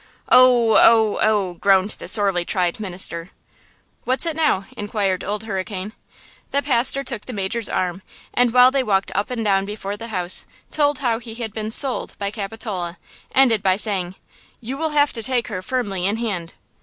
"Oh! oh! oh!" groaned the sorely tried minister. "What's it now?" inquired Old Hurricane. The pastor took the major's arm and, while they walked up and down before the house, told how he had been "sold" by Capitola, ending by saying: "You will have to take her firmly in hand."